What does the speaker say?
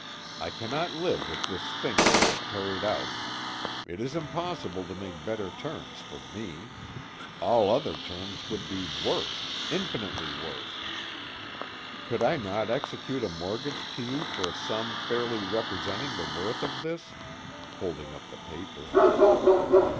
I cannot live if this thing is not carried out. It is impossible to make better terms for me. All other terms would be worse, infinitely worse." "Could I not execute a mortgage to you for a sum fairly representing the worth of this?" holding up the paper.